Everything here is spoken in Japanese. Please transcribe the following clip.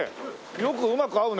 よくうまく合うね。